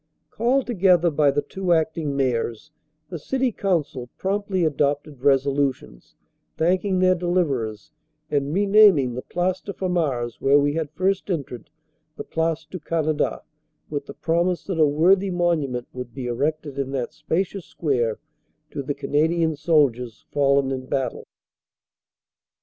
Called together by the two acting mayors, the city council promptly adopted resolutions thanking their deliverers and renaming the Place de Famars, where we had first entered, the Place du Canada, with the promise that a worthy monument would be erected in that spacious square to the Canadian soldiers fallen in battle.